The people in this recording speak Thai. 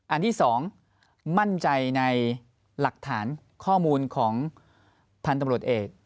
อันที่๒มั่นใจในหลักฐานข้อมูลของพันธุ์ตำรวจเอก